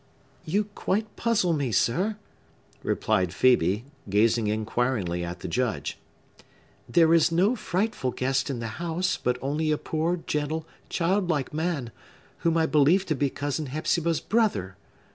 "You quite puzzle me, sir," replied Phœbe, gazing inquiringly at the Judge. "There is no frightful guest in the house, but only a poor, gentle, childlike man, whom I believe to be Cousin Hepzibah's brother.